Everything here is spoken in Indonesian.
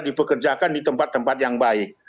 dipekerjakan di tempat tempat yang baik